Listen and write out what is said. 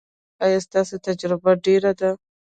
ایا ستاسو تجربه ډیره ده؟